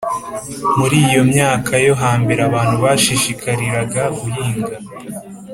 Muri iyo myaka yo hambere abantu bashishikariraga guhinga